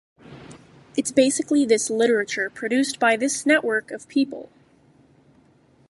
It's basically this literature produced by this network of people.